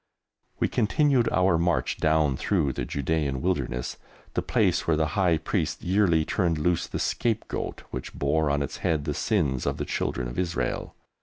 We continued our march down through the Judæan wilderness, the place where the High Priest yearly turned loose the Scapegoat which bore on its head the sins of the Children of Israel.